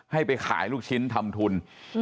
ให้ไปขายลูกชิ้นทำทุน